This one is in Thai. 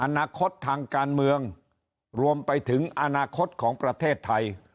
อนาคตทางการเมืองรวมไปถึงอนาคตของประเทศไทย